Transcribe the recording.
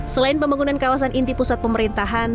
selain pembangunan kawasan inti pusat pemerintahan